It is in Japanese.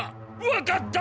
わかった！